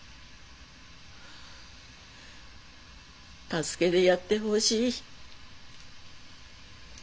助けでやっでほしい。